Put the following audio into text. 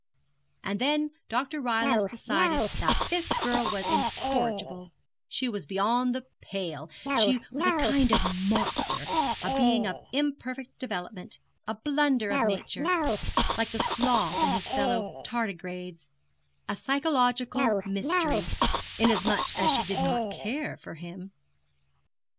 And then Dr. Rylance decided that this girl was incorrigible: she was beyond the pale: she was a kind of monster, a being of imperfect development, a blunder of nature like the sloth and his fellow tardigrades: a psychological mystery: inasmuch as she did not care for him.